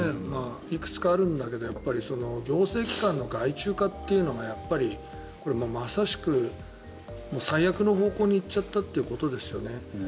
いくつかあるんだけど行政機関の外注化というのがまさしく最悪の方向に行っちゃったということですね。